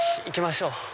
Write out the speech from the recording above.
行きましょう。